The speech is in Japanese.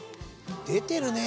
出てるね